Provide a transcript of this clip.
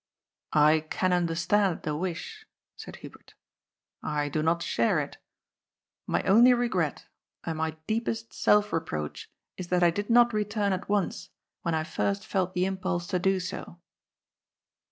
I can understand the wish," said Hubert. "I do not share it. My only regret, and my deepest self reproach, is that I did not return at once, when I first felt the im pulse to do so.